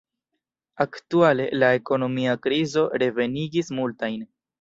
Aktuale, la ekonomia krizo revenigis multajn.